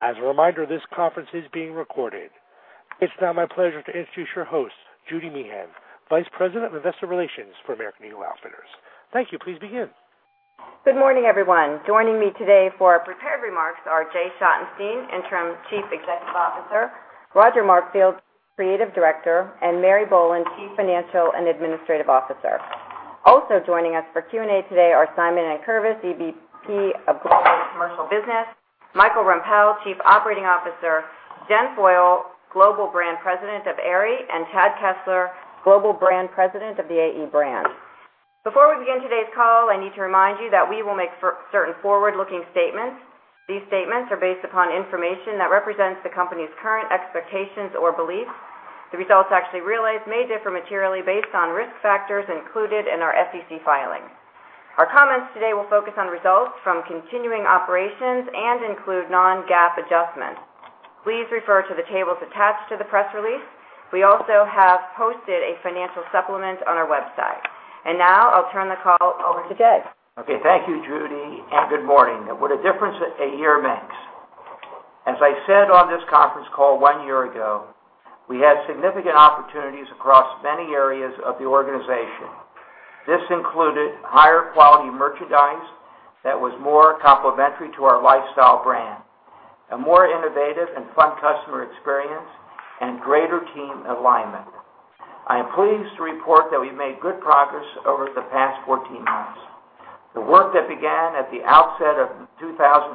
As a reminder, this conference is being recorded. It's now my pleasure to introduce your host, Judy Meehan, Vice President of Investor Relations for American Eagle Outfitters. Thank you. Please begin. Good morning, everyone. Joining me today for our prepared remarks are Jay Schottenstein, Interim Chief Executive Officer, Roger Markfield, Creative Director, and Mary Boland, Chief Financial and Administrative Officer. Also joining us for Q&A today are Simon Nankervis, EVP of Global Commercial Business, Michael Rempell, Chief Operating Officer, Jen Foyle, Global Brand President of Aerie, and Chad Kessler, Global Brand President of the AE brand. Before we begin today's call, I need to remind you that we will make certain forward-looking statements. These statements are based upon information that represents the company's current expectations or beliefs. The results actually realized may differ materially based on risk factors included in our SEC filing. Our comments today will focus on results from continuing operations and include non-GAAP adjustments. Please refer to the tables attached to the press release. We also have posted a financial supplement on our website. Now, I'll turn the call over to Jay. Okay, thank you, Judy, and good morning. What a difference a year makes. As I said on this conference call one year ago, we had significant opportunities across many areas of the organization. This included higher-quality merchandise that was more complementary to our lifestyle brand, a more innovative and fun customer experience, and greater team alignment. I am pleased to report that we've made good progress over the past 14 months. The work that began at the outset of 2014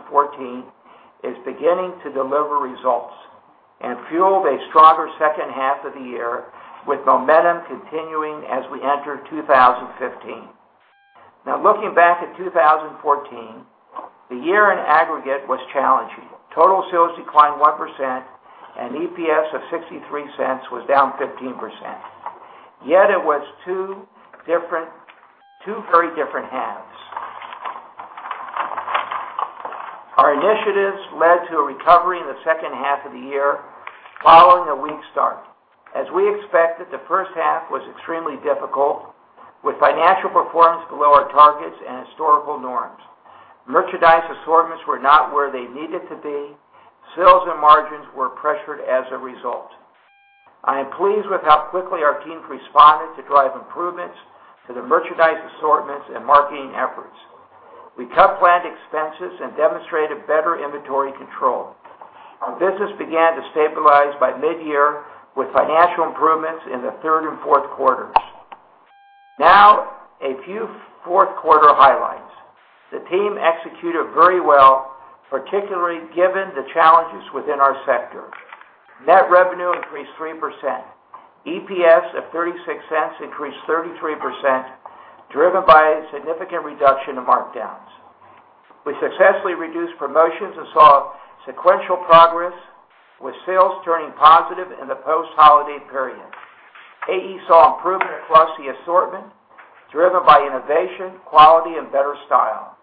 is beginning to deliver results and fueled a stronger second half of the year, with momentum continuing as we enter 2015. Now looking back at 2014, the year in aggregate was challenging. Total sales declined 1%, and EPS of $0.63 was down 15%. Yet it was two very different halves. Our initiatives led to a recovery in the second half of the year following a weak start. As we expected, the first half was extremely difficult, with financial performance below our targets and historical norms. Merchandise assortments were not where they needed to be. Sales and margins were pressured as a result. I am pleased with how quickly our teams responded to drive improvements to the merchandise assortments and marketing efforts. We cut planned expenses and demonstrated better inventory control. Our business began to stabilize by mid-year, with financial improvements in the third and fourth quarters. A few fourth-quarter highlights. The team executed very well, particularly given the challenges within our sector. Net revenue increased 3%. EPS of $0.36 increased 33%, driven by a significant reduction of markdowns. We successfully reduced promotions and saw sequential progress, with sales turning positive in the post-holiday period. AE saw improvement across the assortment, driven by innovation, quality, and better style.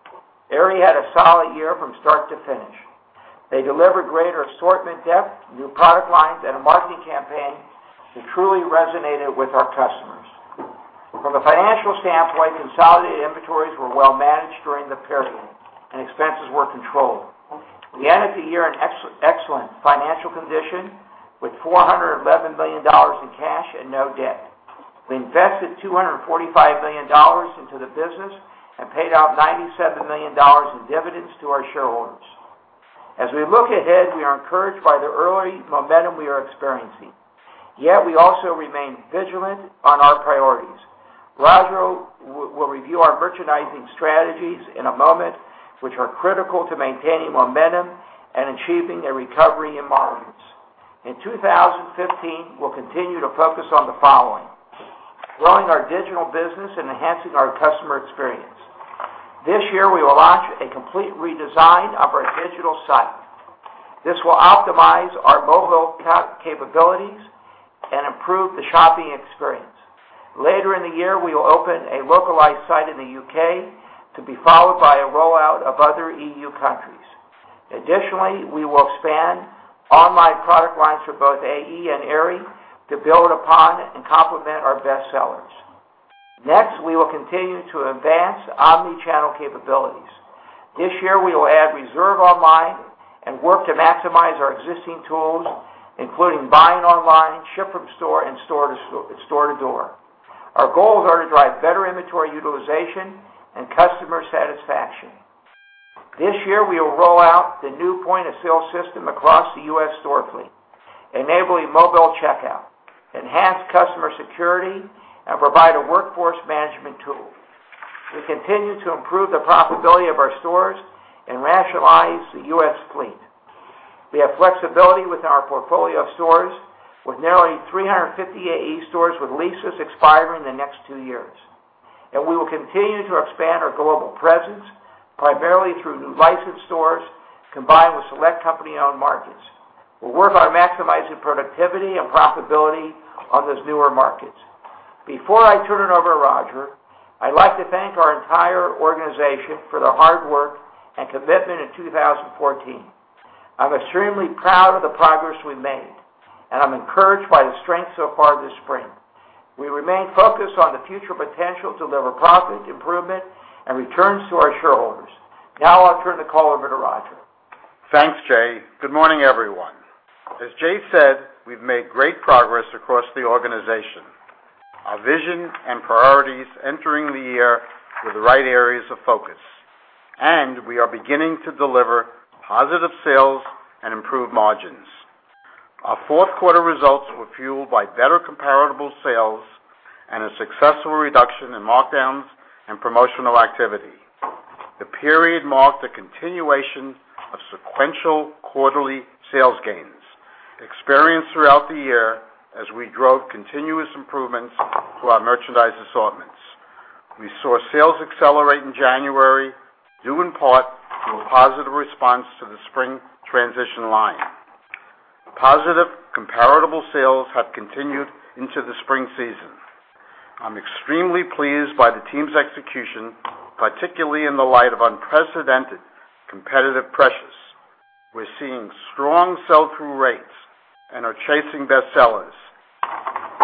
Aerie had a solid year from start to finish. They delivered greater assortment depth, new product lines, and a marketing campaign that truly resonated with our customers. From a financial standpoint, consolidated inventories were well managed during the period, and expenses were controlled. We end the year in excellent financial condition with $411 million in cash and no debt. We invested $245 million into the business and paid out $97 million in dividends to our shareholders. We look ahead, we are encouraged by the early momentum we are experiencing. We also remain vigilant on our priorities. Roger will review our merchandising strategies in a moment, which are critical to maintaining momentum and achieving a recovery in margins. In 2015, we'll continue to focus on the following: growing our digital business and enhancing our customer experience. This year, we will launch a complete redesign of our digital site. This will optimize our mobile capabilities and improve the shopping experience. Later in the year, we will open a localized site in the U.K. to be followed by a rollout of other EU countries. Additionally, we will expand online product lines for both AE and Aerie to build upon and complement our best sellers. We will continue to advance omni-channel capabilities. This year, we will add reserve online and work to maximize our existing tools, including buy online, ship from store, and store to door. Our goals are to drive better inventory utilization and customer satisfaction. This year, we will roll out the new point-of-sale system across the U.S. store fleet, enabling mobile checkout, enhanced customer security, and provide a workforce management tool. We continue to improve the profitability of our stores and rationalize the U.S. fleet. We have flexibility with our portfolio of stores, with nearly 350 AE stores with leases expiring in the next two years. We will continue to expand our global presence, primarily through new licensed stores, combined with select company-owned markets. We'll work on maximizing productivity and profitability on those newer markets. Before I turn it over to Roger, I'd like to thank our entire organization for their hard work and commitment in 2014. I'm extremely proud of the progress we've made, and I'm encouraged by the strength so far this spring. We remain focused on the future potential to deliver profit improvement and returns to our shareholders. I'll turn the call over to Roger. Thanks, Jay. Good morning, everyone. As Jay said, we've made great progress across the organization. Our vision and priorities entering the year were the right areas of focus. We are beginning to deliver positive sales and improved margins. Our fourth quarter results were fueled by better comparable sales and a successful reduction in markdowns and promotional activity. The period marked a continuation of sequential quarterly sales gains experienced throughout the year, as we drove continuous improvements to our merchandise assortments. We saw sales accelerate in January, due in part to a positive response to the spring transition line. Positive comparable sales have continued into the spring season. I'm extremely pleased by the team's execution, particularly in the light of unprecedented competitive pressures. We're seeing strong sell-through rates and are chasing bestsellers.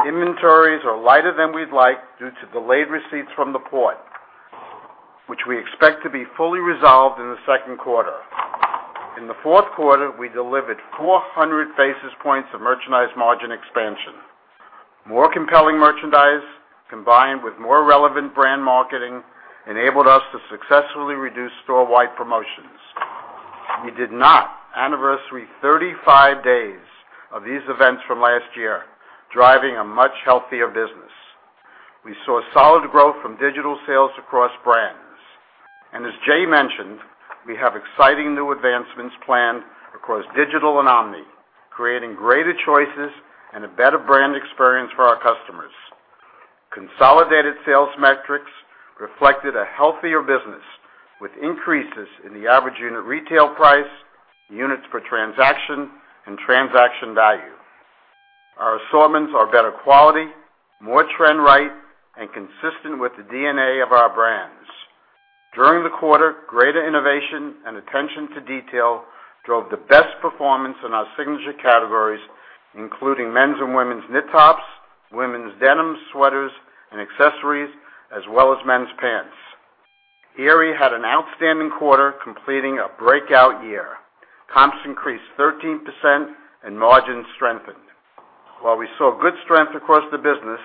Inventories are lighter than we'd like due to delayed receipts from the port, which we expect to be fully resolved in the second quarter. In the fourth quarter, we delivered 400 basis points of merchandise margin expansion. More compelling merchandise, combined with more relevant brand marketing, enabled us to successfully reduce store-wide promotions. We did not anniversary 35 days of these events from last year, driving a much healthier business. We saw solid growth from digital sales across brands. As Jay mentioned, we have exciting new advancements planned across digital and omni, creating greater choices and a better brand experience for our customers. Consolidated sales metrics reflected a healthier business, with increases in the average unit retail price, units per transaction, and transaction value. Our assortments are better quality, more trend-right, and consistent with the DNA of our brands. During the quarter, greater innovation and attention to detail drove the best performance in our signature categories, including men's and women's knit tops, women's denim, sweaters, and accessories, as well as men's pants. Aerie had an outstanding quarter, completing a breakout year. Comps increased 13% and margins strengthened. While we saw good strength across the business,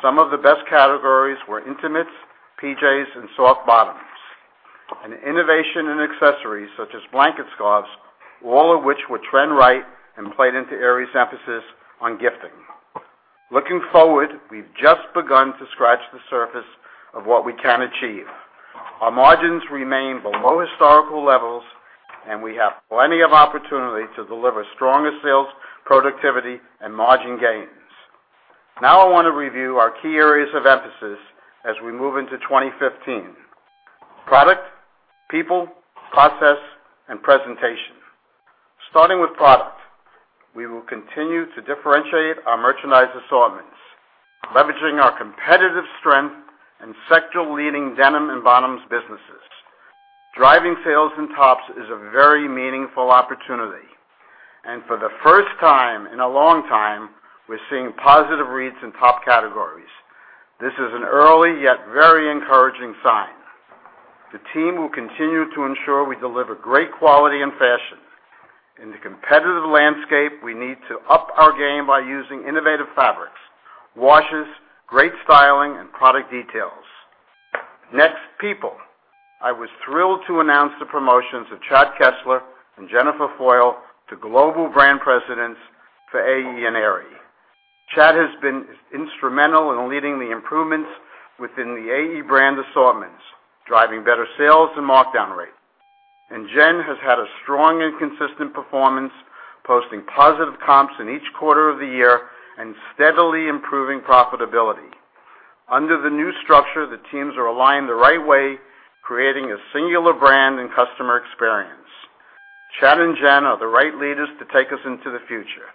some of the best categories were intimates, PJs, and soft bottoms. Innovation in accessories such as blanket scarves, all of which were trend-right and played into Aerie's emphasis on gifting. Looking forward, we've just begun to scratch the surface of what we can achieve. Our margins remain below historical levels. We have plenty of opportunity to deliver stronger sales, productivity, and margin gains. Now I want to review our key areas of emphasis as we move into 2015: product, people, process, and presentation. Starting with product, we will continue to differentiate our merchandise assortments, leveraging our competitive strength and sector-leading denim and bottoms businesses. Driving sales in tops is a very meaningful opportunity. For the first time in a long time, we're seeing positive reads in top categories. This is an early, yet very encouraging sign. The team will continue to ensure we deliver great quality and fashion. In the competitive landscape, we need to up our game by using innovative fabrics, washes, great styling, and product details. Next, people. I was thrilled to announce the promotions of Chad Kessler and Jen Foyle to Global Brand Presidents for AE and Aerie. Chad has been instrumental in leading the improvements within the AE brand assortments, driving better sales and markdown rates. Jen has had a strong and consistent performance, posting positive comps in each quarter of the year and steadily improving profitability. Under the new structure, the teams are aligned the right way, creating a singular brand and customer experience. Chad and Jen are the right leaders to take us into the future.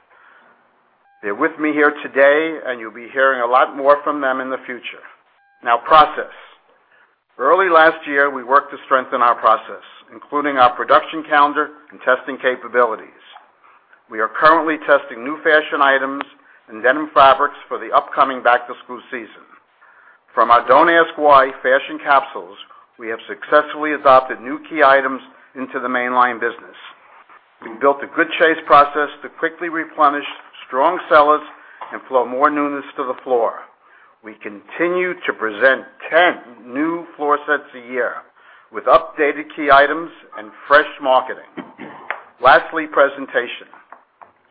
They're with me here today, and you'll be hearing a lot more from them in the future. Now, process. Early last year, we worked to strengthen our process, including our production calendar and testing capabilities. We are currently testing new fashion items and denim fabrics for the upcoming back-to-school season. From our Don't Ask Why fashion capsules, we have successfully adopted new key items into the mainline business. We built a good chase process to quickly replenish strong sellers and flow more newness to the floor. We continue to present 10 new floor sets a year with updated key items and fresh marketing. Lastly, presentation.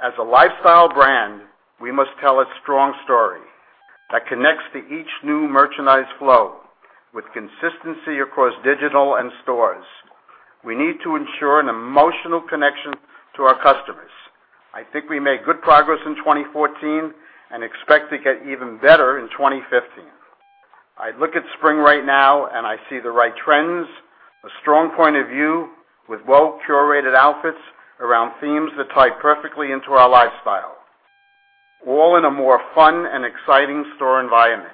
As a lifestyle brand, we must tell a strong story that connects to each new merchandise flow with consistency across digital and stores. We need to ensure an emotional connection to our customers. I think we made good progress in 2014 and expect to get even better in 2015. I look at spring right now and I see the right trends, a strong point of view with well-curated outfits around themes that tie perfectly into our lifestyle, all in a more fun and exciting store environment.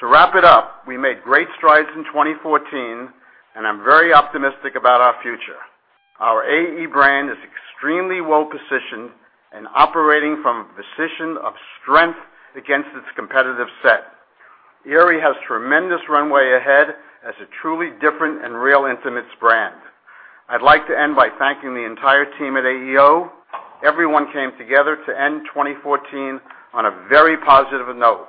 To wrap it up, we made great strides in 2014. I'm very optimistic about our future. Our AE brand is extremely well-positioned and operating from a position of strength against its competitive set. Aerie has tremendous runway ahead as a truly different and real intimates brand. I'd like to end by thanking the entire team at AEO. Everyone came together to end 2014 on a very positive note.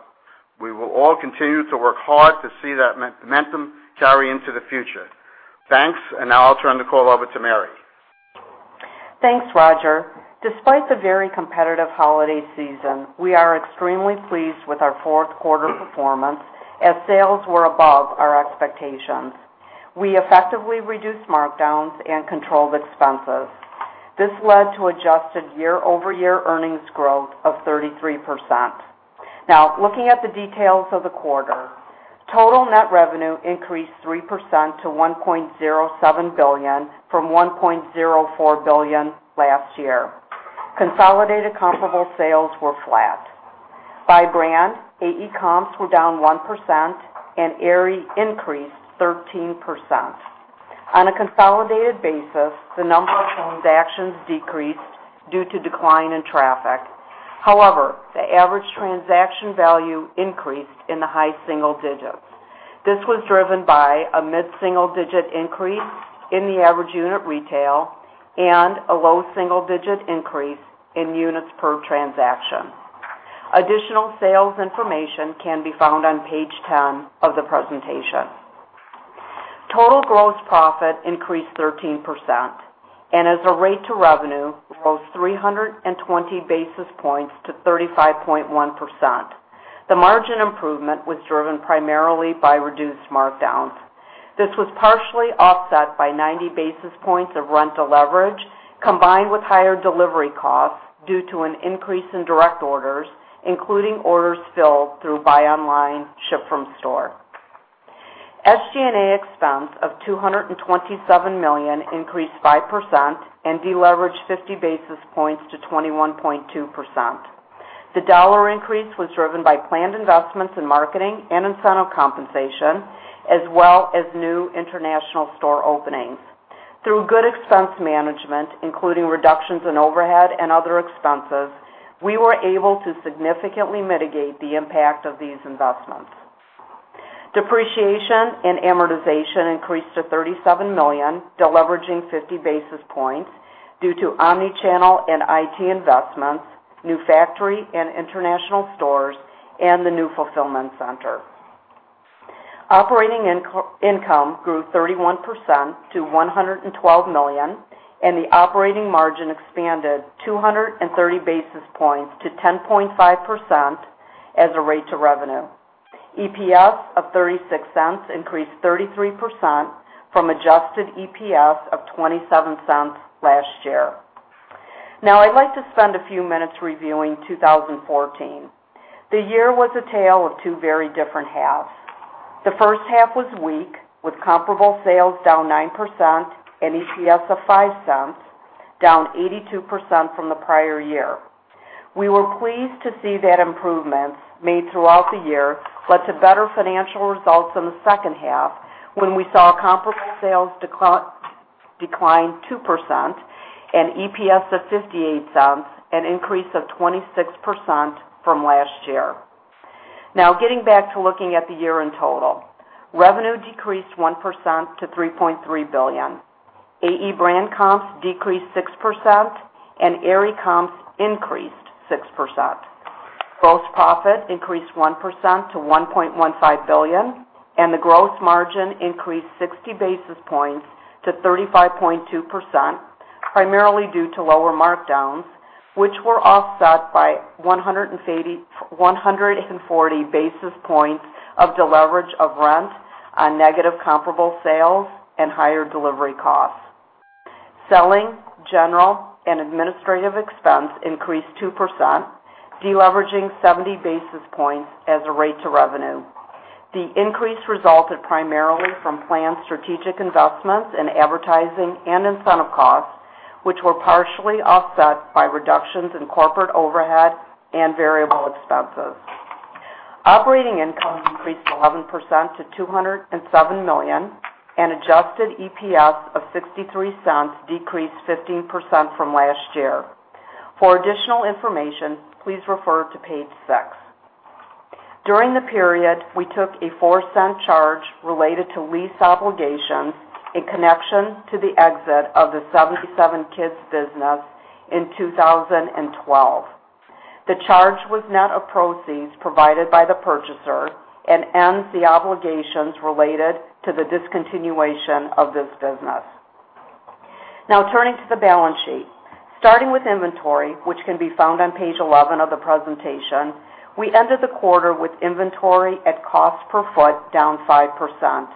We will all continue to work hard to see that momentum carry into the future. Thanks. Now I'll turn the call over to Mary. Thanks, Roger. Despite the very competitive holiday season, we are extremely pleased with our fourth quarter performance, as sales were above our expectations. We effectively reduced markdowns and controlled expenses. This led to adjusted year-over-year earnings growth of 33%. Looking at the details of the quarter. Total net revenue increased 3% to $1.07 billion from $1.04 billion last year. Consolidated comparable sales were flat. By brand, AE comps were down 1% and Aerie increased 13%. On a consolidated basis, the number of transactions decreased due to decline in traffic. However, the average transaction value increased in the high single digits. This was driven by a mid-single-digit increase in the average unit retail and a low single-digit increase in units per transaction. Additional sales information can be found on page 10 of the presentation. Total gross profit increased 13% and as a rate to revenue, rose 320 basis points to 35.1%. The margin improvement was driven primarily by reduced markdowns. This was partially offset by 90 basis points of rental leverage, combined with higher delivery costs due to an increase in direct orders, including orders filled through buy online, ship from store. SG&A expense of $227 million increased 5% and deleveraged 50 basis points to 21.2%. The dollar increase was driven by planned investments in marketing and incentive compensation, as well as new international store openings. Through good expense management, including reductions in overhead and other expenses, we were able to significantly mitigate the impact of these investments. Depreciation and amortization increased to $37 million, deleveraging 50 basis points due to omni-channel and IT investments, new factory and international stores, and the new fulfillment center. Operating income grew 31% to $112 million, and the operating margin expanded 230 basis points to 10.5% as a rate to revenue. EPS of $0.36 increased 33% from adjusted EPS of $0.27 last year. I'd like to spend a few minutes reviewing 2014. The year was a tale of two very different halves. The first half was weak, with comparable sales down 9% and EPS of $0.05, down 82% from the prior year. We were pleased to see that improvements made throughout the year led to better financial results in the second half, when we saw comparable sales decline 2% and EPS of $0.58, an increase of 26% from last year. Getting back to looking at the year in total. Revenue decreased 1% to $3.3 billion. AE brand comps decreased 6% and Aerie comps increased 6%. Gross profit increased 1% to $1.15 billion, and the gross margin increased 60 basis points to 35.2%, primarily due to lower markdowns, which were offset by 140 basis points of deleverage of rent on negative comparable sales and higher delivery costs. Selling, general, and administrative expense increased 2%, deleveraging 70 basis points as a rate to revenue. The increase resulted primarily from planned strategic investments in advertising and incentive costs, which were partially offset by reductions in corporate overhead and variable expenses. Operating income increased 11% to $207 million, and adjusted EPS of $0.63 decreased 15% from last year. For additional information, please refer to page six. During the period, we took a $0.04 charge related to lease obligations in connection to the exit of the 77kids business in 2012. The charge was net of proceeds provided by the purchaser and ends the obligations related to the discontinuation of this business. Turning to the balance sheet. Starting with inventory, which can be found on page 11 of the presentation, we ended the quarter with inventory at cost per foot down 5%.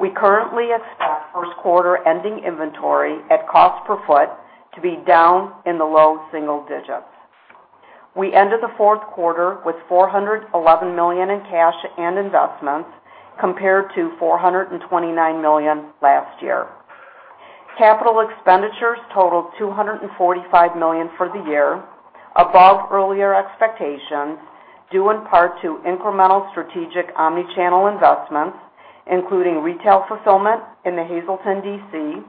We currently expect first quarter ending inventory at cost per foot to be down in the low single digits. We ended the fourth quarter with $411 million in cash and investments, compared to $429 million last year. Capital expenditures totaled $245 million for the year, above earlier expectations, due in part to incremental strategic omni-channel investments, including retail fulfillment in the Hazleton DC,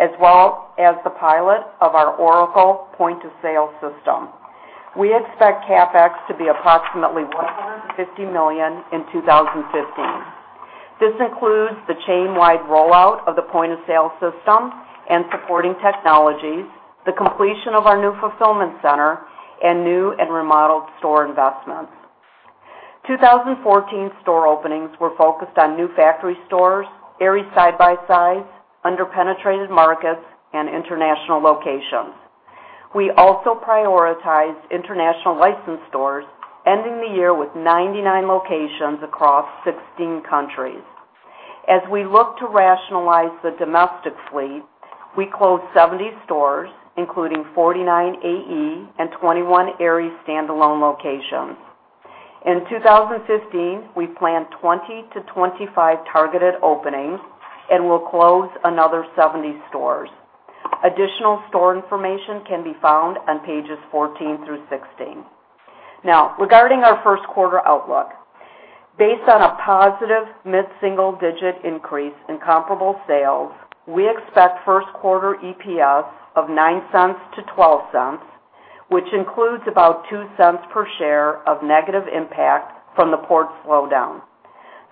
as well as the pilot of our Oracle point-of-sale system. We expect CapEx to be approximately $150 million in 2015. This includes the chain-wide rollout of the point-of-sale system and supporting technologies, the completion of our new fulfillment center, and new and remodeled store investments. 2014 store openings were focused on new factory stores, Aerie side by side, under-penetrated markets, and international locations. We also prioritized international licensed stores, ending the year with 99 locations across 16 countries. As we look to rationalize the domestic fleet, we closed 70 stores, including 49 AE and 21 Aerie standalone locations. In 2015, we plan 20 to 25 targeted openings and will close another 70 stores. Additional store information can be found on pages 14 through 16. Now, regarding our first quarter outlook. Based on a positive mid-single-digit increase in comparable sales, we expect first quarter EPS of $0.09 to $0.12, which includes about $0.02 per share of negative impact from the port slowdown.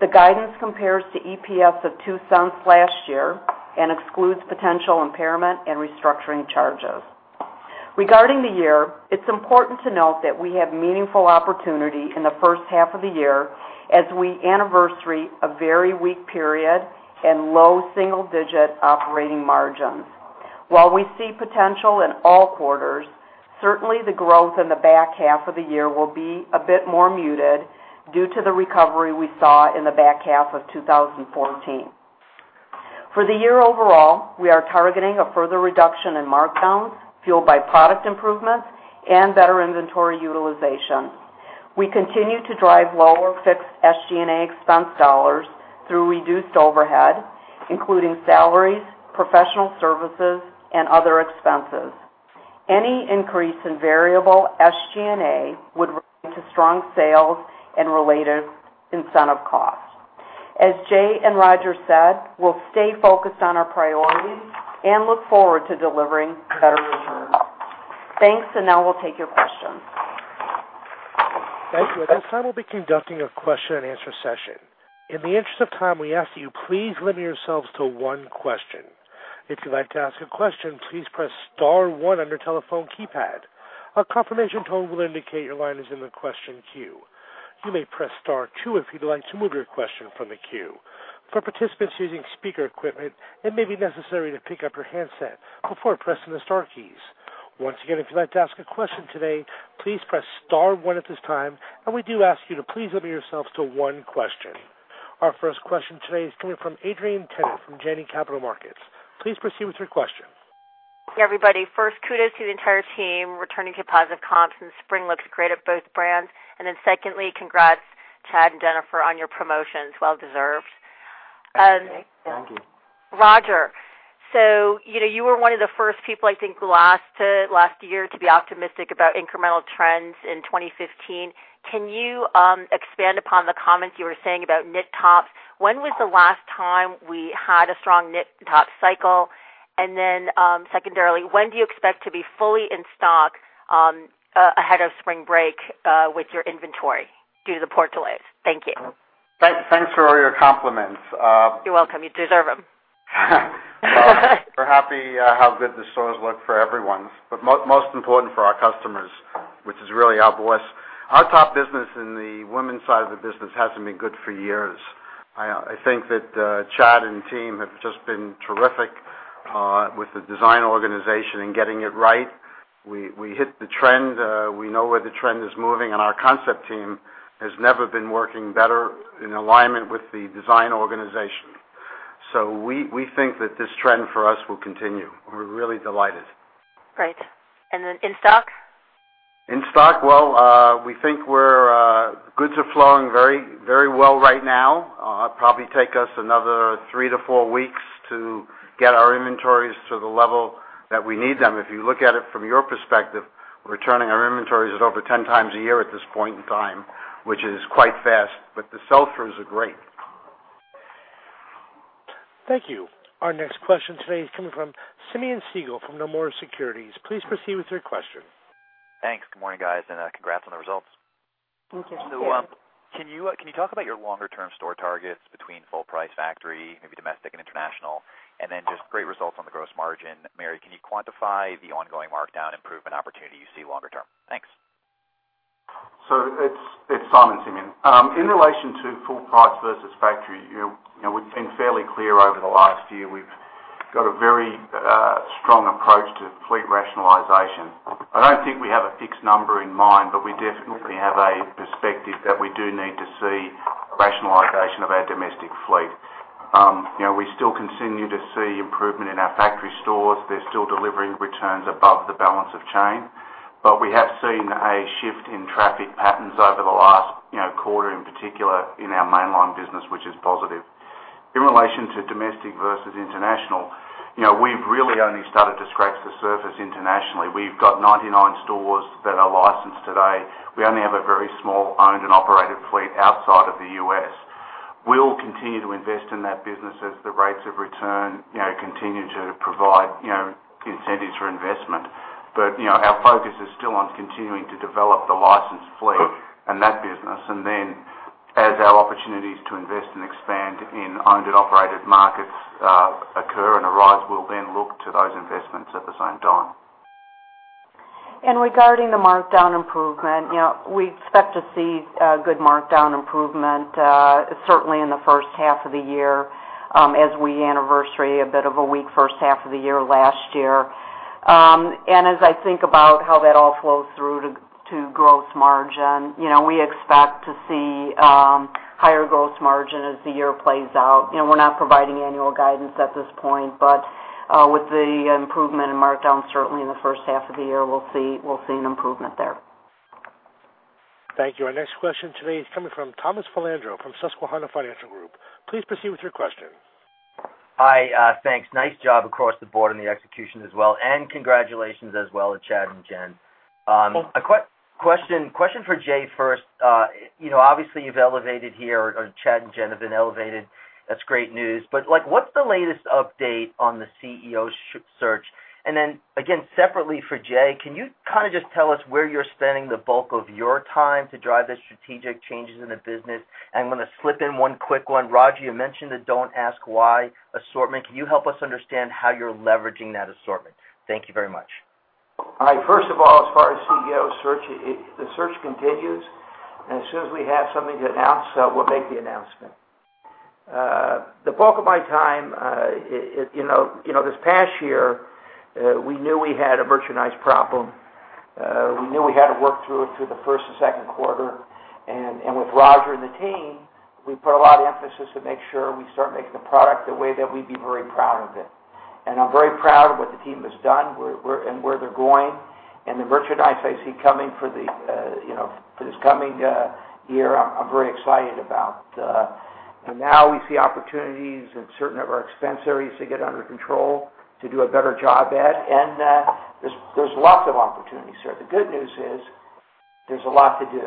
The guidance compares to EPS of $0.02 last year and excludes potential impairment and restructuring charges. Regarding the year, it's important to note that we have meaningful opportunity in the first half of the year as we anniversary a very weak period and low single-digit operating margins. While we see potential in all quarters, certainly the growth in the back half of the year will be a bit more muted due to the recovery we saw in the back half of 2014. For the year overall, we are targeting a further reduction in markdowns fueled by product improvements and better inventory utilization. We continue to drive lower fixed SG&A expense dollars through reduced overhead, including salaries, professional services, and other expenses. Any increase in variable SG&A would relate to strong sales and related incentive costs. As Jay and Roger said, we'll stay focused on our priorities and look forward to delivering better returns. Thanks. Now we'll take your questions. Thank you. At this time, we'll be conducting a question and answer session. In the interest of time, we ask that you please limit yourselves to one question. If you'd like to ask a question, please press *1 on your telephone keypad. A confirmation tone will indicate your line is in the question queue. You may press *2 if you'd like to remove your question from the queue. For participants using speaker equipment, it may be necessary to pick up your handset before pressing the star keys. Once again, if you'd like to ask a question today, please press *1 at this time. We do ask you to please limit yourselves to one question. Our first question today is coming from Adrienne Tennant from Janney Capital Markets. Please proceed with your question. Hey, everybody. First, kudos to the entire team. Returning to positive comps and spring looks great at both brands. Secondly, congrats, Chad and Jennifer, on your promotions. Well deserved. Thank you. Roger. You were one of the first people, I think, last year to be optimistic about incremental trends in 2015. Can you expand upon the comments you were saying about knit tops? When was the last time we had a strong knit top cycle? Then, secondarily, when do you expect to be fully in stock ahead of spring break with your inventory due to the port delays? Thank you. Thanks for all your compliments. You're welcome. You deserve them. We're happy how good the stores look for everyone. Most important for our customers, which is really our voice. Our top business in the women's side of the business hasn't been good for years. I think that Chad and team have just been terrific with the design organization and getting it right. We hit the trend. We know where the trend is moving, and our concept team has never been working better in alignment with the design organization. We think that this trend for us will continue. We're really delighted. Great. In stock? In stock. Well, we think goods are flowing very well right now. Probably take us another three to four weeks to get our inventories to the level that we need them. If you look at it from your perspective, we're turning our inventories at over 10 times a year at this point in time, which is quite fast. The sell-throughs are great. Thank you. Our next question today is coming from Simeon Siegel from Nomura Securities. Please proceed with your question. Thanks. Good morning, guys. Congrats on the results. Thank you. Can you talk about your longer-term store targets between full price factory, maybe domestic and international? Then just great results on the gross margin. Mary, can you quantify the ongoing markdown improvement opportunity you see longer term? Thanks. It's Simon. In relation to full price versus factory, we've been fairly clear over the last year. We've got a very strong approach to fleet rationalization. I don't think we have a fixed number in mind, but we definitely have a perspective that we do need to see rationalization of our domestic fleet. We still continue to see improvement in our factory stores. They're still delivering returns above the balance of chain. We have seen a shift in traffic patterns over the last quarter, in particular in our mainline business, which is positive. In relation to domestic versus international, we've really only started to scratch the surface internationally. We've got 99 stores that are licensed today. We only have a very small owned and operated fleet outside of the U.S. We'll continue to invest in that business as the rates of return continue to provide incentives for investment. Our focus is still on continuing to develop the licensed fleet and that business, as our opportunities to invest and expand in owned and operated markets occur and arise, we'll look to those investments at the same time. Regarding the markdown improvement, we expect to see a good markdown improvement, certainly in the first half of the year, as we anniversary a bit of a weak first half of the year last year. As I think about how that all flows through to gross margin, we expect to see higher gross margin as the year plays out. We're not providing annual guidance at this point, with the improvement in markdown, certainly in the first half of the year, we'll see an improvement there. Thank you. Our next question today is coming from Thomas Filandro from Susquehanna Financial Group. Please proceed with your question. Hi. Thanks. Nice job across the board on the execution as well. Congratulations as well to Chad and Jen. Thank you. A question for Jay first. Obviously, you've elevated here, or Chad and Jen have been elevated. That's great news. What's the latest update on the CEO search? Then again, separately for Jay, can you just tell us where you're spending the bulk of your time to drive the strategic changes in the business? I'm gonna slip in one quick one. Roger, you mentioned the Don't Ask Why assortment. Can you help us understand how you're leveraging that assortment? Thank you very much. All right. First of all, as far as CEO search, the search continues. As soon as we have something to announce, we'll make the announcement. The bulk of my time, this past year, we knew we had a merchandise problem. We knew we had to work through it through the first and second quarter. With Roger and the team, we put a lot of emphasis to make sure we start making the product the way that we'd be very proud of it. I'm very proud of what the team has done, and where they're going. The merchandise I see coming for this coming year, I'm very excited about. Now we see opportunities in certain of our expense areas to get under control, to do a better job at, and there's lots of opportunities there. The good news is there's a lot to do,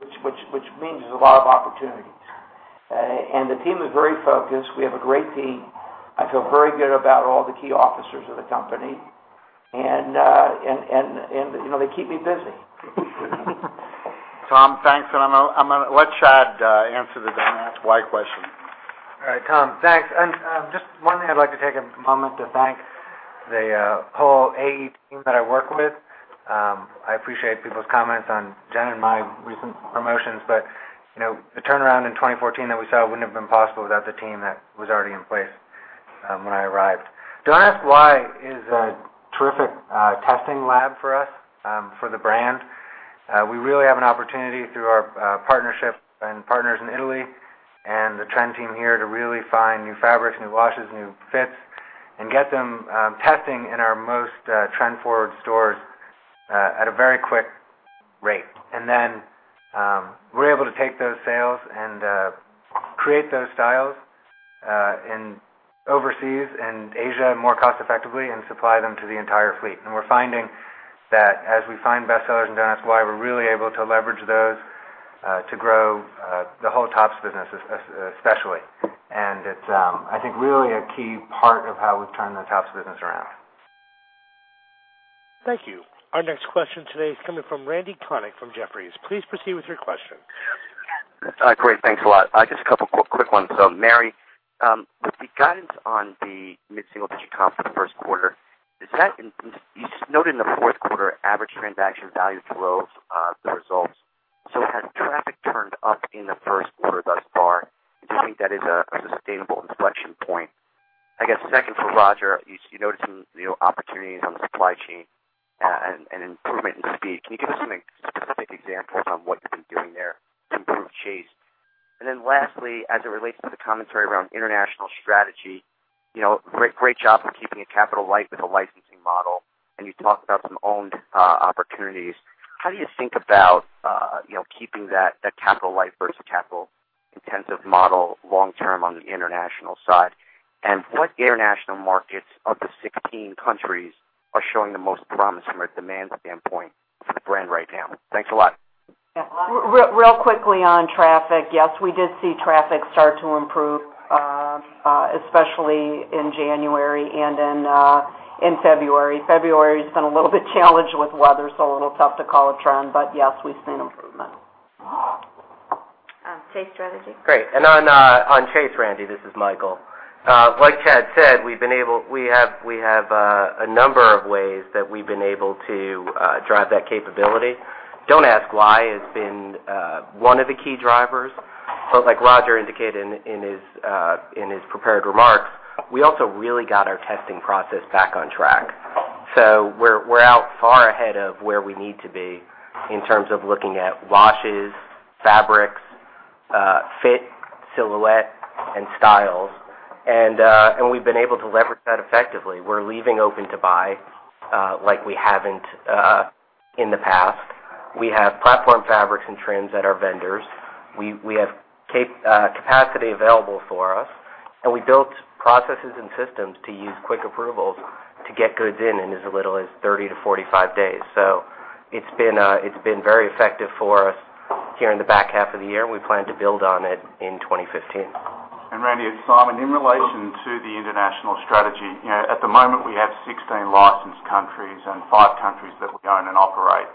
which means there's a lot of opportunities. The team is very focused. We have a great team. I feel very good about all the key officers of the company, and they keep me busy. Tom, thanks. I'm gonna let Chad answer the Don't Ask Why question. All right. Tom, thanks. Just one thing, I'd like to take a moment to thank the whole AE team that I work with. I appreciate people's comments on Jen and my recent promotions, but the turnaround in 2014 that we saw wouldn't have been possible without the team that was already in place when I arrived. Don't Ask Why is a terrific testing lab for us, for the brand. We really have an opportunity through our partnership and partners in Italy and the trend team here to really find new fabrics, new washes, new fits, and get them testing in our most trend-forward stores at a very quick rate. Then, we're able to take those sales and create those styles overseas, in Asia, more cost effectively, and supply them to the entire fleet. We're finding that as we find bestsellers in Don't Ask Why, we're really able to leverage those to grow the whole tops business, especially. It's, I think, really a key part of how we've turned the tops business around. Thank you. Our next question today is coming from Randal Konik from Jefferies. Please proceed with your question. Great. Thanks a lot. Just a couple quick ones. Mary, the guidance on the mid-single-digit comp for the first quarter. You noted in the fourth quarter, average transaction value drove the results. Has traffic turned up in the first quarter thus far? Do you think that is a sustainable inflection point? I guess, second for Roger. You noted some opportunities on the supply chain and improvement in speed. Can you give us some specific examples on what you've been doing there to improve chase? Lastly, as it relates to the commentary around international strategy, great job on keeping it capital light with a licensing model, and you talked about some owned opportunities. How do you think about keeping that capital light versus capital-intensive model long term on the international side? What international markets of the 16 countries are showing the most promise from a demand standpoint for the brand right now? Thanks a lot. Real quickly on traffic. Yes, we did see traffic start to improve, especially in January and in February. February's been a little bit challenged with weather, so a little tough to call a trend. Yes, we've seen improvement. Chase strategy? Great. On Chase, Randy, this is Michael. Like Chad said, we have a number of ways that we've been able to drive that capability. Don't Ask Why has been one of the key drivers. Like Roger indicated in his prepared remarks, we also really got our testing process back on track. We're out far ahead of where we need to be in terms of looking at washes, fabrics- Fit, silhouette, and styles. We've been able to leverage that effectively. We're leaving open to buy like we haven't in the past. We have platform fabrics and trends at our vendors. We have capacity available for us, and we built processes and systems to use quick approvals to get goods in as little as 30 to 45 days. It's been very effective for us here in the back half of the year, and we plan to build on it in 2015. Randy, it's Simon. In relation to the international strategy, at the moment, we have 16 licensed countries and five countries that we own and operate.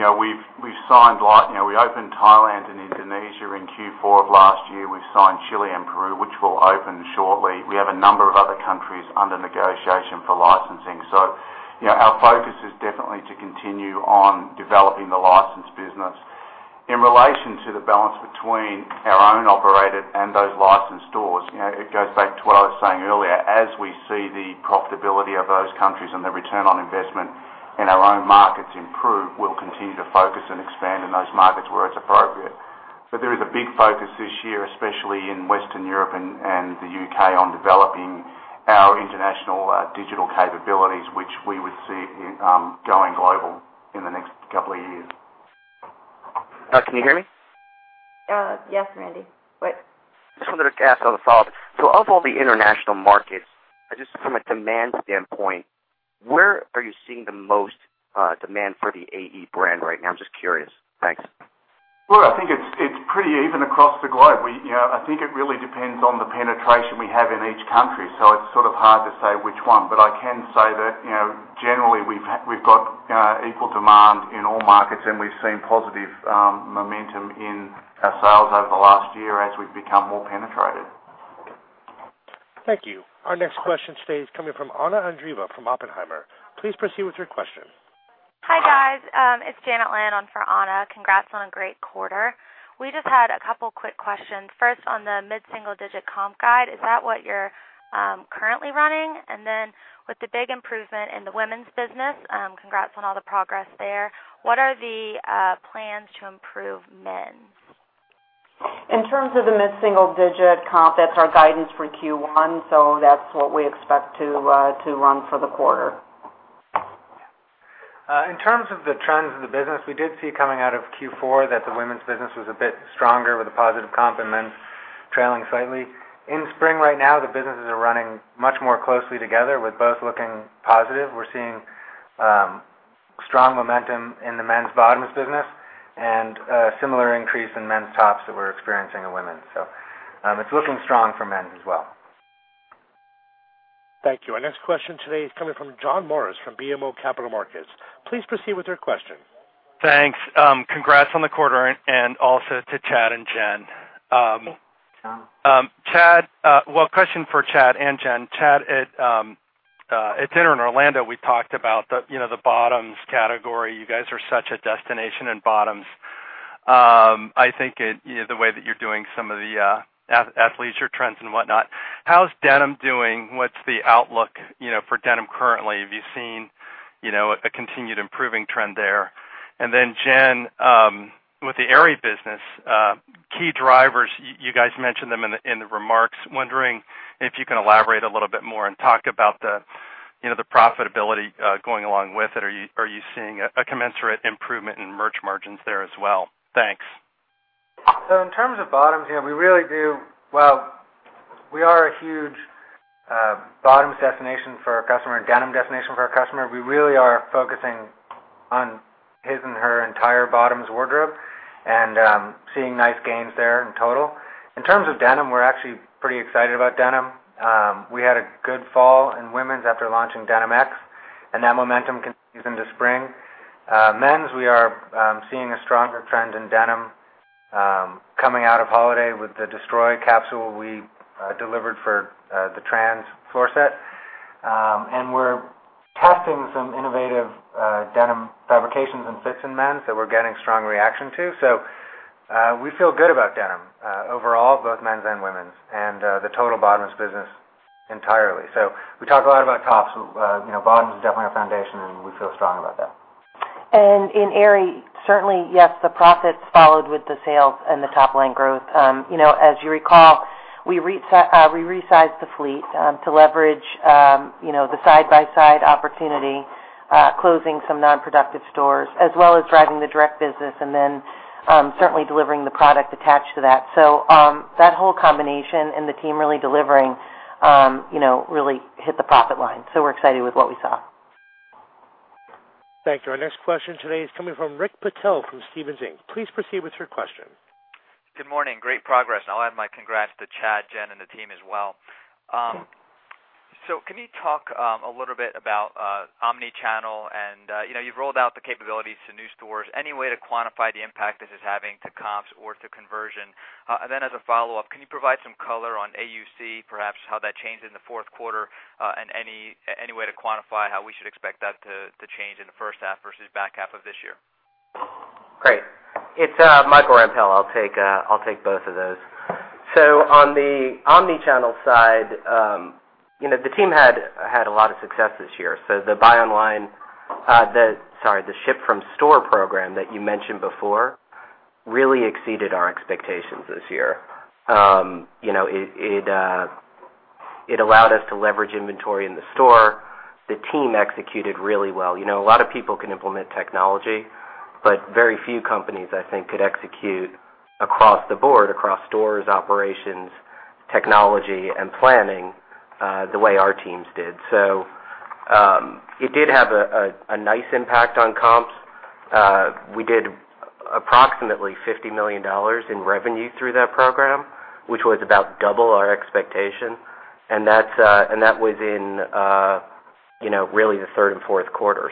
We opened Thailand and Indonesia in Q4 of last year. We've signed Chile and Peru, which will open shortly. We have a number of other countries under negotiation for licensing. Our focus is definitely to continue on developing the licensed business. In relation to the balance between our own operated and those licensed stores, it goes back to what I was saying earlier. As we see the profitability of those countries and the return on investment in our own markets improve, we'll continue to focus and expand in those markets where it's appropriate. There is a big focus this year, especially in Western Europe and the U.K., on developing our international digital capabilities, which we would see going global in the next couple of years. Can you hear me? Yes, Randy. What? Just wanted to ask as a follow-up. Of all the international markets, just from a demand standpoint, where are you seeing the most demand for the AE brand right now? I'm just curious. Thanks. I think it's pretty even across the globe. I think it really depends on the penetration we have in each country, so it's sort of hard to say which one. I can say that generally, we've got equal demand in all markets, and we've seen positive momentum in our sales over the last year as we've become more penetrated. Thank you. Our next question today is coming from Anna Andreeva from Oppenheimer. Please proceed with your question. Hi, guys. It's [Janet Lin on for Anna. Congrats on a great quarter. We just had a couple quick questions. First, on the mid-single-digit comp guide, is that what you're currently running? With the big improvement in the women's business, congrats on all the progress there. What are the plans to improve men's? In terms of the mid-single-digit comp, that's our guidance for Q1, so that's what we expect to run for the quarter. In terms of the trends of the business, we did see coming out of Q4 that the women's business was a bit stronger with a positive comp and men's trailing slightly. In spring right now, the businesses are running much more closely together, with both looking positive. We're seeing strong momentum in the men's bottoms business and a similar increase in men's tops that we're experiencing in women's. It's looking strong for men's as well. Thank you. Our next question today is coming from John Morris from BMO Capital Markets. Please proceed with your question. Thanks. Congrats on the quarter and also to Chad and Jen. Thanks, John. Well, question for Chad and Jen. Chad, at dinner in Orlando, we talked about the bottoms category. You guys are such a destination in bottoms. I think the way that you're doing some of the athleisure trends and whatnot. How's denim doing? What's the outlook for denim currently? Have you seen a continued improving trend there? Then Jen, with the Aerie business, key drivers, you guys mentioned them in the remarks. Wondering if you can elaborate a little bit more and talk about the profitability going along with it. Are you seeing a commensurate improvement in merch margins there as well? Thanks. In terms of bottoms, we are a huge bottoms destination for our customer and denim destination for our customer. We really are focusing on his and her entire bottoms wardrobe and seeing nice gains there in total. In terms of denim, we're actually pretty excited about denim. We had a good fall in women's after launching Denim X, and that momentum continues into spring. Men's, we are seeing a stronger trend in denim. Coming out of holiday with the Destroy capsule we delivered for the trends floor set. We're testing some innovative denim fabrications and fits in men's that we're getting strong reaction to. We feel good about denim overall, both men's and women's, and the total bottoms business entirely. We talk a lot about tops. Bottoms is definitely our foundation, and we feel strong about that. In Aerie, certainly, yes, the profits followed with the sales and the top-line growth. As you recall, we resized the fleet to leverage the side-by-side opportunity, closing some non-productive stores, as well as driving the direct business and then certainly delivering the product attached to that. That whole combination and the team really delivering really hit the profit line. We're excited with what we saw. Thank you. Our next question today is coming from Rakesh Patel from Stephens Inc. Please proceed with your question. Good morning. Great progress, and I'll add my congrats to Chad, Jen, and the team as well. Can you talk a little bit about omni-channel and you've rolled out the capabilities to new stores. Any way to quantify the impact this is having to comps or to conversion? Then as a follow-up, can you provide some color on AUC, perhaps how that changed in the fourth quarter and any way to quantify how we should expect that to change in the first half versus back half of this year? Great. It's Mike Rempell. I'll take both of those. On the omni-channel side, the team had a lot of success this year. The ship-from-store program that you mentioned before really exceeded our expectations this year. It allowed us to leverage inventory in the store. The team executed really well. A lot of people can implement technology, but very few companies, I think, could execute across the board, across stores, operations, technology, and planning, the way our teams did. It did have a nice impact on comps. We did approximately $50 million in revenue through that program, which was about double our expectation. That was in really the third and fourth quarter.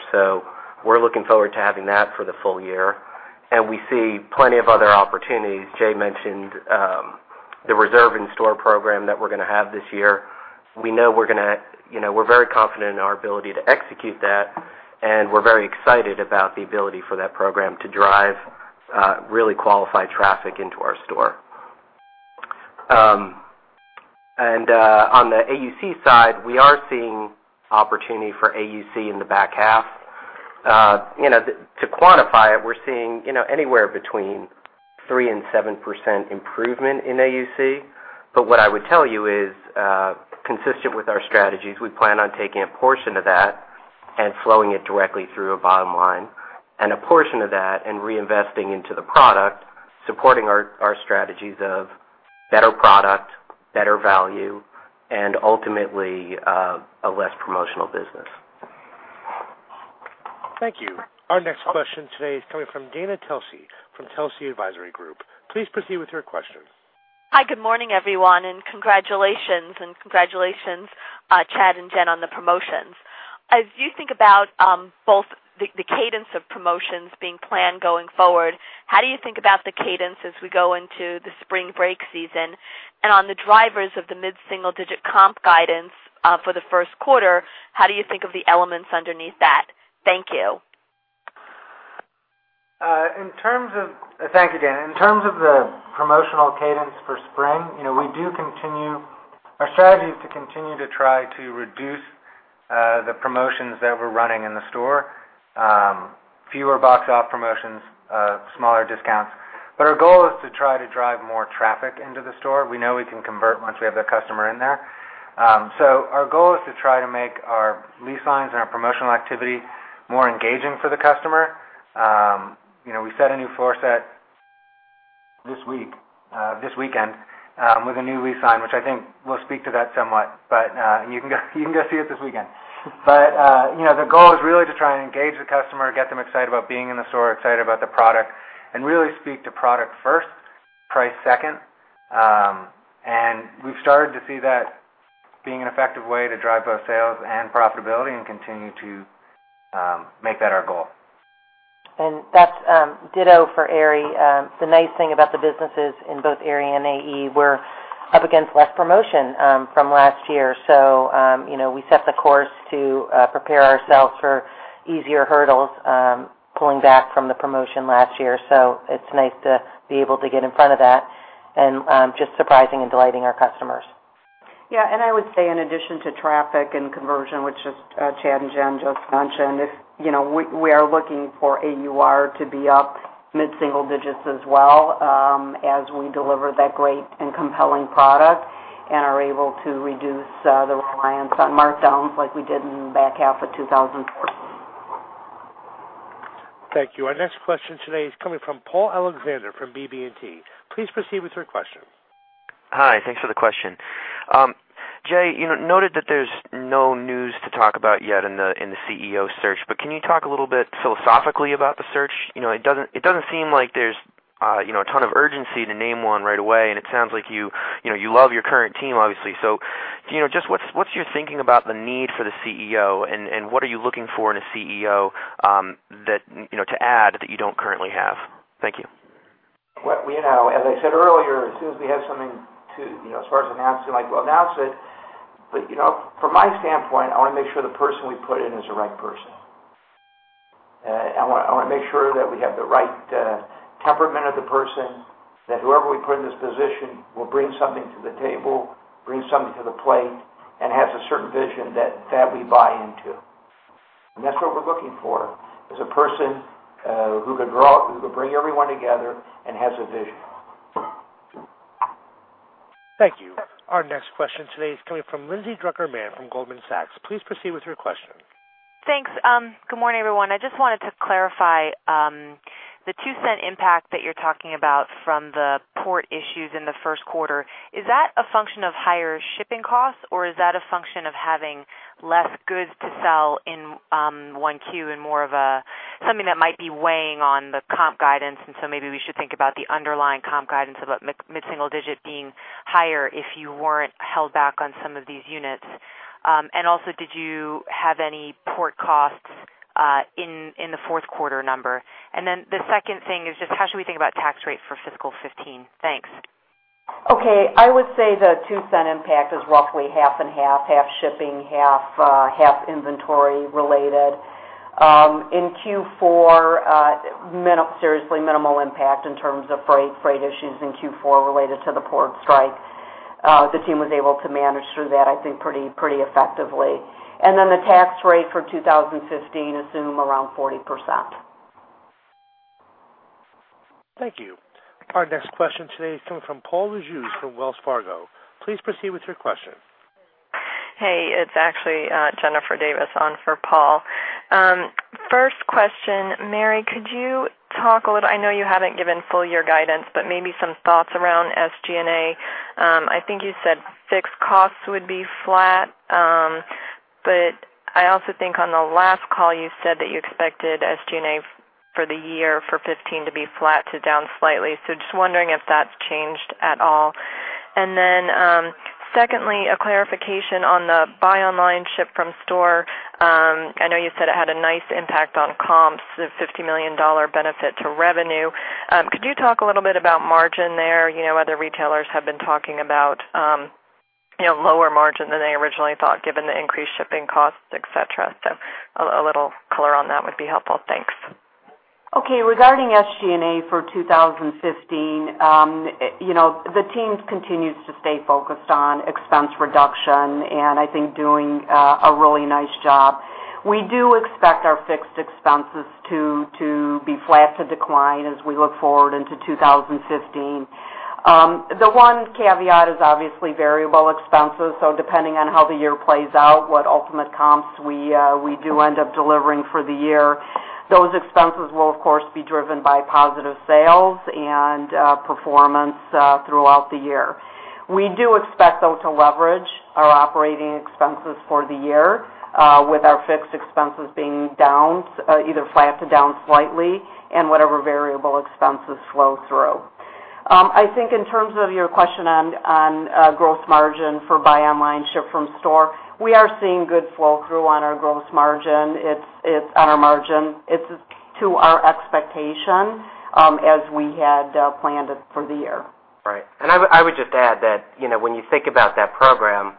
We're looking forward to having that for the full year. We see plenty of other opportunities. Jay mentioned the reserve-in-store program that we're going to have this year. We're very confident in our ability to execute that, and we're very excited about the ability for that program to drive really qualified traffic into our store. On the AUC side, we are seeing opportunity for AUC in the back half. To quantify it, we're seeing anywhere between 3%-7% improvement in AUC. What I would tell you is, consistent with our strategies, we plan on taking a portion of that and flowing it directly through a bottom line, and a portion of that and reinvesting into the product, supporting our strategies of better product, better value, and ultimately, a less promotional business. Thank you. Our next question today is coming from Dana Telsey from Telsey Advisory Group. Please proceed with your question. Hi, good morning, everyone, and congratulations. Congratulations, Chad and Jen, on the promotions. As you think about both the cadence of promotions being planned going forward, how do you think about the cadence as we go into the spring break season? On the drivers of the mid-single-digit comp guidance for the first quarter, how do you think of the elements underneath that? Thank you. Thank you, Dana. In terms of the promotional cadence for spring, our strategy is to continue to try to reduce the promotions that we're running in the store. Fewer box off promotions, smaller discounts. Our goal is to try to drive more traffic into the store. We know we can convert once we have the customer in there. Our goal is to try to make our lease signs and our promotional activity more engaging for the customer. We set a new floor set this weekend with a new lease sign, which I think will speak to that somewhat. You can go see it this weekend. The goal is really to try and engage the customer, get them excited about being in the store, excited about the product, and really speak to product first, price second. We've started to see that being an effective way to drive both sales and profitability and continue to make that our goal. That's ditto for Aerie. The nice thing about the businesses in both Aerie and AE, we're up against less promotion from last year. We set the course to prepare ourselves for easier hurdles, pulling back from the promotion last year. It's nice to be able to get in front of that and just surprising and delighting our customers. Yeah. I would say in addition to traffic and conversion, which Chad and Jen just mentioned, we are looking for AUR to be up mid-single digits as well, as we deliver that great and compelling product and are able to reduce the reliance on markdowns like we did in the back half of 2014. Thank you. Our next question today is coming from Paul Alexander from BB&T. Please proceed with your question. Hi. Thanks for the question. Jay, you noted that there's no news to talk about yet in the CEO search, can you talk a little bit philosophically about the search? It doesn't seem like there's a ton of urgency to name one right away, and it sounds like you love your current team, obviously. Just what's your thinking about the need for the CEO, and what are you looking for in a CEO to add that you don't currently have? Thank you. As I said earlier, as soon as we have something, as far as announcing, we'll announce it. From my standpoint, I want to make sure the person we put in is the right person. I want to make sure that we have the right temperament of the person, that whoever we put in this position will bring something to the table, bring something to the plate, and has a certain vision that we buy into. That's what we're looking for, is a person who could bring everyone together and has a vision. Thank you. Our next question today is coming from Lindsay Drucker Mann from Goldman Sachs. Please proceed with your question. Thanks. Good morning, everyone. I just wanted to clarify, the $0.02 impact that you're talking about from the port issues in the first quarter, is that a function of higher shipping costs, or is that a function of having less goods to sell in 1Q and more of something that might be weighing on the comp guidance, so maybe we should think about the underlying comp guidance about mid-single digit being higher if you weren't held back on some of these units. Also, did you have any port costs in the fourth quarter number? Then the second thing is just how should we think about tax rate for fiscal 2015? Thanks. Okay, I would say the $0.02 impact is roughly half and half shipping, half inventory related. In Q4, seriously minimal impact in terms of freight issues in Q4 related to the port strike. The team was able to manage through that, I think, pretty effectively. Then the tax rate for 2015, assume around 40%. Thank you. Our next question today is coming from Paul Lejuez from Wells Fargo. Please proceed with your question. Hey, it is actually Jennifer Davis on for Paul. First question, Mary, could you talk a little, I know you haven't given full year guidance, but maybe some thoughts around SG&A. I think you said fixed costs would be flat. I also think on the last call you said that you expected SG&A for the year for 2015 to be flat to down slightly. Just wondering if that's changed at all. Secondly, a clarification on the buy online, ship from store. I know you said it had a nice impact on comps, the $50 million benefit to revenue. Could you talk a little bit about margin there? Other retailers have been talking about lower margin than they originally thought, given the increased shipping costs, et cetera. A little color on that would be helpful. Thanks. Okay, regarding SG&A for 2015, the team continues to stay focused on expense reduction, and I think doing a really nice job. We do expect our fixed expenses to be flat to decline as we look forward into 2015. The one caveat is obviously variable expenses, so depending on how the year plays out, what ultimate comps we do end up delivering for the year. Those expenses will, of course, be driven by positive sales and performance throughout the year. We do expect, though, to leverage our operating expenses for the year, with our fixed expenses being down, either flat to down slightly, and whatever variable expenses flow through. I think in terms of your question on gross margin for buy online, ship from store, we are seeing good flow through on our gross margin. It's to our expectation, as we had planned it for the year. Right. I would just add that when you think about that program,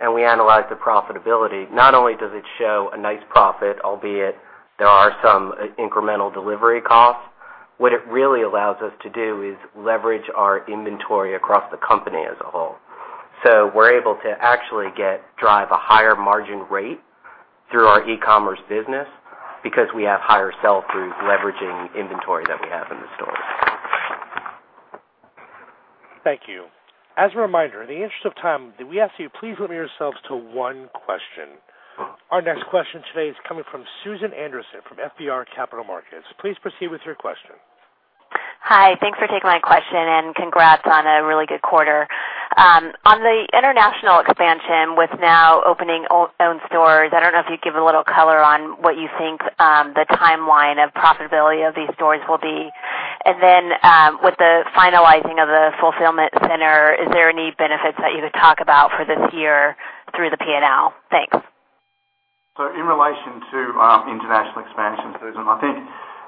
and we analyze the profitability, not only does it show a nice profit, albeit there are some incremental delivery costs. What it really allows us to do is leverage our inventory across the company as a whole. We're able to actually drive a higher margin rate through our e-commerce business because we have higher sell-throughs leveraging inventory that we have in the stores. Thank you. As a reminder, in the interest of time, we ask you, please limit yourselves to one question. Our next question today is coming from Susan Anderson from FBR Capital Markets. Please proceed with your question. Hi, thanks for taking my question, and congrats on a really good quarter. On the international expansion with now opening owned stores, I don't know if you'd give a little color on what you think the timeline of profitability of these stores will be. With the finalizing of the fulfillment center, is there any benefits that you could talk about for this year through the P&L? Thanks. In relation to international expansion, Susan, I think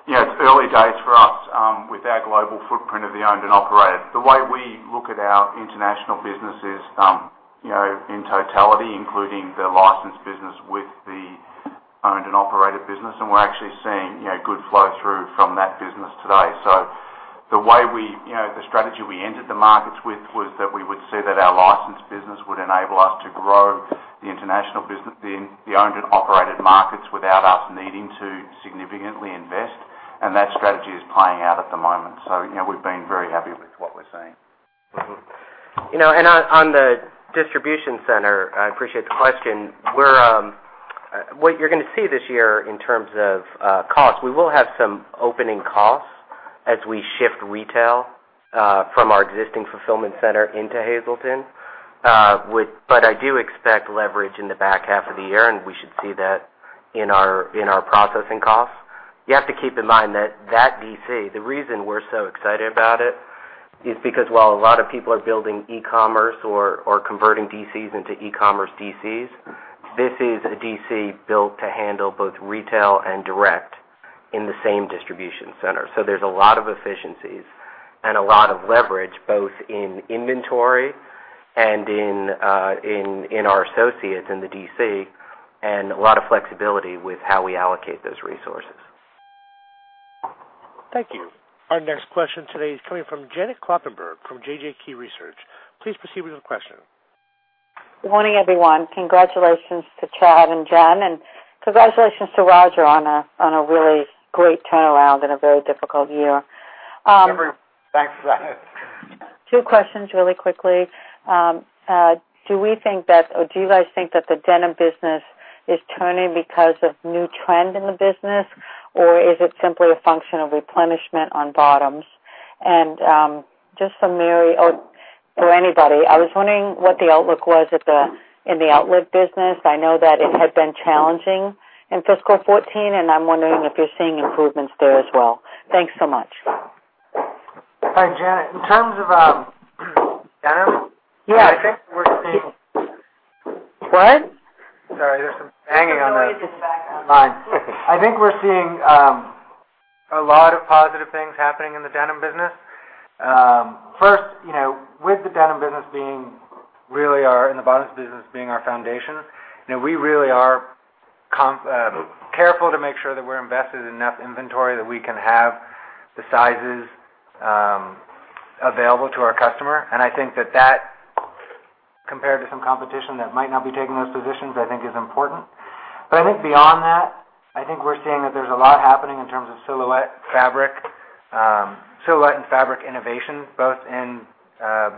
it's early days for us with our global footprint of the owned and operated. The way we look at our international business is in totality, including the licensed business with the owned and operated business, and we're actually seeing good flow through from that business today. The strategy we entered the markets with was that we would see that our licensed business would enable us to grow the international business in the owned and operated markets without us needing to significantly invest, and that strategy is playing out at the moment. We've been very happy with what we're seeing. On the distribution center, I appreciate the question. What you're gonna see this year in terms of cost, we will have some opening costs as we shift retail from our existing fulfillment center into Hazleton. I do expect leverage in the back half of the year, and we should see that in our processing costs. You have to keep in mind that DC, the reason we're so excited about it is because while a lot of people are building e-commerce or converting DCs into e-commerce DCs, this is a DC built to handle both retail and direct in the same distribution center. There's a lot of efficiencies and a lot of leverage, both in inventory and in our associates in the DC, and a lot of flexibility with how we allocate those resources. Thank you. Our next question today is coming from Janet Kloppenburg from JJK Research. Please proceed with your question. Morning, everyone. Congratulations to Chad and Janet, and congratulations to Roger on a really great turnaround in a very difficult year. Thanks, Janet. Two questions really quickly. Do you guys think that the denim business is turning because of new trend in the business, or is it simply a function of replenishment on bottoms? Just for Mary or anybody, I was wondering what the outlook was in the outlet business. I know that it had been challenging in FY 2014, and I'm wondering if you're seeing improvements there as well. Thanks so much. Hi, Janet. In terms of denim- Yeah. I think we're seeing What? Sorry, there's some banging on the- No worries. It's the background line. I think we're seeing A lot of positive things happening in the denim business. First, with the denim business and the bottoms business being our foundation, we really are careful to make sure that we're invested in enough inventory that we can have the sizes available to our customer. I think that that, compared to some competition that might not be taking those positions, I think is important. I think beyond that, I think we're seeing that there's a lot happening in terms of silhouette and fabric innovation, both in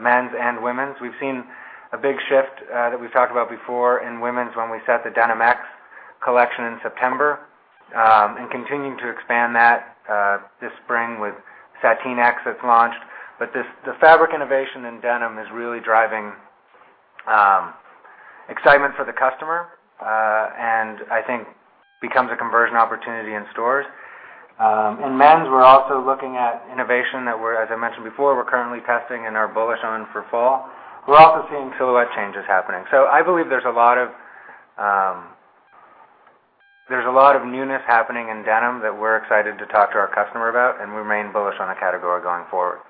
men's and women's. We've seen a big shift that we've talked about before in women's when we set the Denim X collection in September, and continuing to expand that this spring with Sateen X that's launched. The fabric innovation in denim is really driving excitement for the customer, and I think becomes a conversion opportunity in stores. In men's, we're also looking at innovation that, as I mentioned before, we're currently testing and are bullish on for fall. We're also seeing silhouette changes happening. I believe there's a lot of newness happening in denim that we're excited to talk to our customer about, and remain bullish on the category going forward.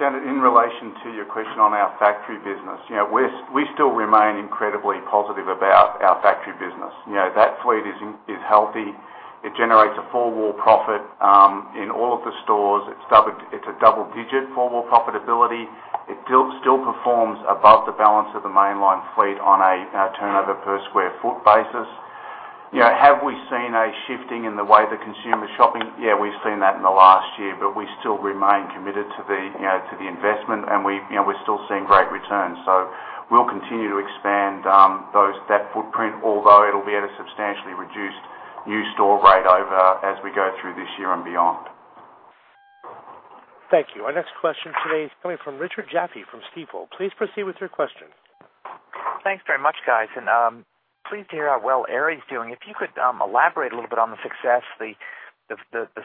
Janet, in relation to your question on our factory business. We still remain incredibly positive about our factory business. That fleet is healthy. It generates a full-wall profit in all of the stores. It's a double-digit full-wall profitability. It still performs above the balance of the mainline fleet on a turnover per square foot basis. Have we seen a shifting in the way the consumer's shopping? Yeah, we've seen that in the last year, we still remain committed to the investment, and we're still seeing great returns. We'll continue to expand that footprint, although it'll be at a substantially reduced new store rate as we go through this year and beyond. Thank you. Our next question today is coming from Richard Jaffe from Stifel. Please proceed with your question. Thanks very much, guys. Pleased to hear how well Aerie's doing. If you could elaborate a little bit on the success, the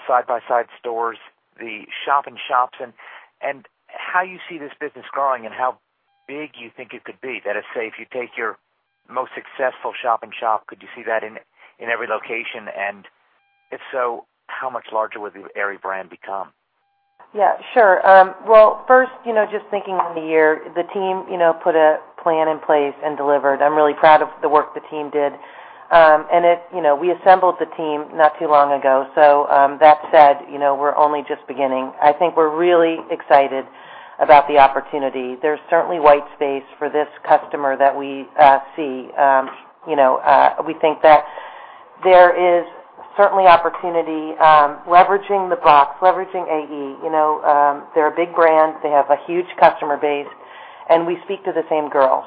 side-by-side stores, the shop in shops, and how you see this business growing and how big you think it could be. That is, say, if you take your most successful shop in shop, could you see that in every location? If so, how much larger would the Aerie brand become? Yeah, sure. Well, first, just thinking on the year, the team put a plan in place and delivered. I'm really proud of the work the team did. We assembled the team not too long ago. That said, we're only just beginning. I think we're really excited about the opportunity. There's certainly white space for this customer that we see. We think that there is certainly opportunity leveraging the box, leveraging AE. They're a big brand, they have a huge customer base, and we speak to the same girl.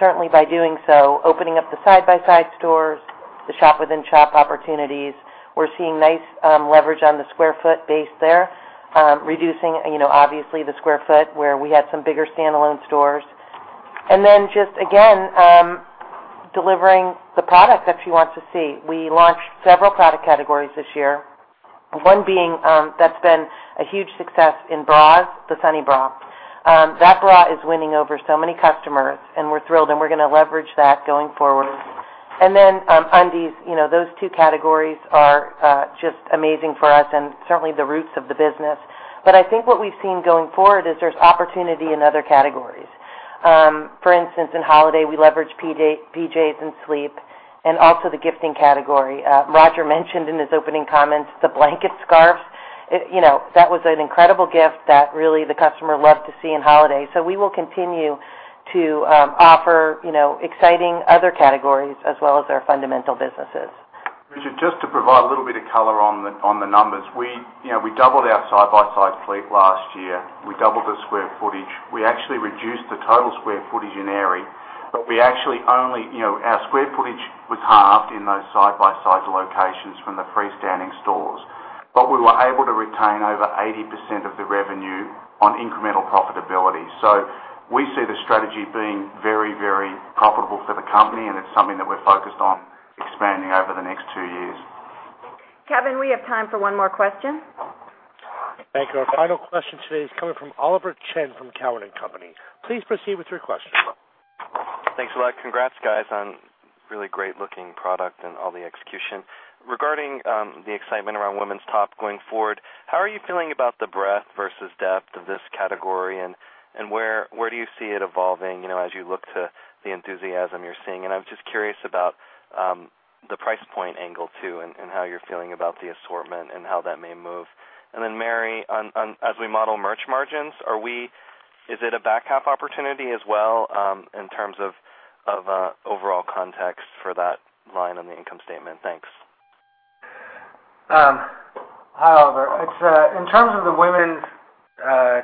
Certainly by doing so, opening up the side-by-side stores, the shop within shop opportunities, we're seeing nice leverage on the square foot base there. Reducing, obviously, the square foot where we had some bigger standalone stores. Just, again, delivering the product that she wants to see. We launched several product categories this year. One being that's been a huge success in bras, the Sunnie bra. That bra is winning over so many customers, and we're thrilled, and we're going to leverage that going forward. Undies. Those two categories are just amazing for us, and certainly the roots of the business. I think what we've seen going forward is there's opportunity in other categories. For instance, in holiday, we leveraged PJs and sleep and also the gifting category. Roger mentioned in his opening comments the blanket scarves. That was an incredible gift that really the customer loved to see in holiday. We will continue to offer exciting other categories as well as our fundamental businesses. Richard, just to provide a little bit of color on the numbers. We doubled our side-by-side fleet last year. We doubled the square footage. We actually reduced the total square footage in Aerie. Our square footage was halved in those side-by-side locations from the freestanding stores. We were able to retain over 80% of the revenue on incremental profitability. We see the strategy being very profitable for the company, and it's something that we're focused on expanding over the next two years. Kevin, we have time for one more question. Thank you. Our final question today is coming from Oliver Chen from Cowen and Company. Please proceed with your question. Thanks a lot. Congrats, guys, on really great looking product and all the execution. Regarding the excitement around women's top going forward, how are you feeling about the breadth versus depth of this category, and where do you see it evolving as you look to the enthusiasm you're seeing? I'm just curious about the price point angle too, and how you're feeling about the assortment and how that may move. Then Mary, as we model merch margins, is it a back half opportunity as well in terms of overall context for that line on the income statement? Thanks. Hi, Oliver. In terms of the women's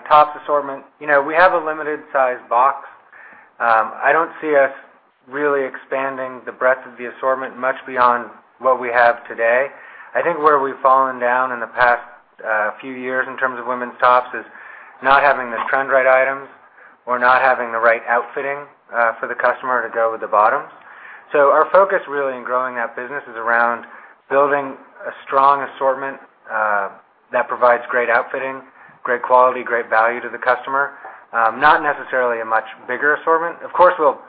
tops assortment, we have a limited size box. I don't see us really expanding the breadth of the assortment much beyond what we have today. I think where we've fallen down in the past few years in terms of women's tops is not having the trend-right items or not having the right outfitting for the customer to go with the bottoms. Our focus really in growing that business is around building a strong assortment that provides great outfitting, great quality, great value to the customer. Not necessarily a much bigger assortment. Of course, we'll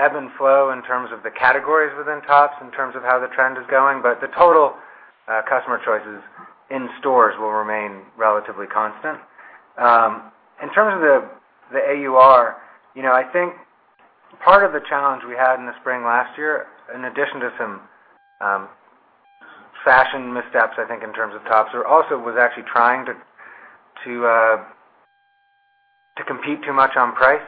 ebb and flow in terms of the categories within tops, in terms of how the trend is going, but the total customer choices in stores will remain relatively constant. In terms of the AUR, I think part of the challenge we had in the spring last year, in addition to some fashion missteps, I think in terms of tops, was actually trying to compete too much on price.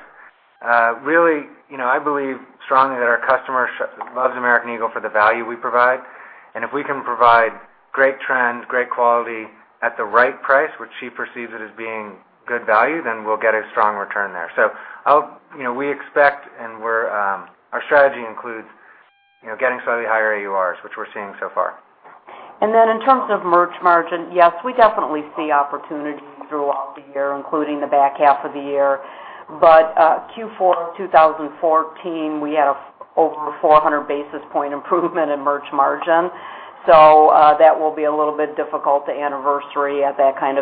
Really, I believe strongly that our customers loves American Eagle for the value we provide, if we can provide great trends, great quality at the right price, where she perceives it as being good value, we'll get a strong return there. We expect, and our strategy includes getting slightly higher AURs, which we're seeing so far. In terms of merch margin, yes, we definitely see opportunities throughout the year, including the back half of the year. Q4 2014, we had over 400 basis point improvement in merch margin. That will be a little bit difficult to anniversary at that kind of.